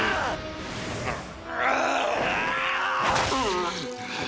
うっ！